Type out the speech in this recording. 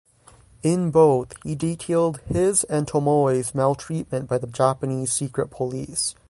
In both, he detailed his and Tomoe's maltreatment by the Japanese secret police.